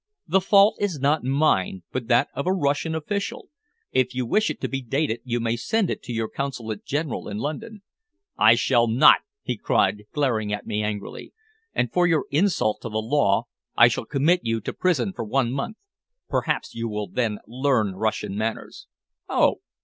"The fault is not mine, but that of a Russian official. If you wish it to be dated, you may send it to your Consulate General in London." "I shall not," he cried, glaring at me angrily. "And for your insult to the law, I shall commit you to prison for one month. Perhaps you will then learn Russian manners." "Oh!